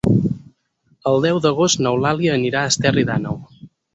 El deu d'agost n'Eulàlia anirà a Esterri d'Àneu.